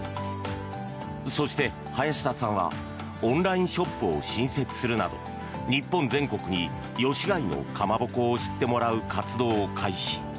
そして林田さんはオンラインショップを新設するなど日本全国に吉開のかまぼこを知ってもらう活動を開始。